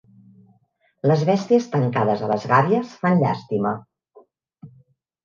Les besties tancades a les gàbies fan llàstima.